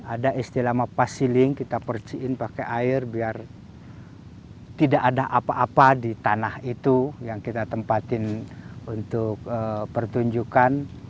ada istilah mapas siling kita perciin pakai air biar tidak ada apa apa di tanah itu yang kita tempatin untuk pertunjukan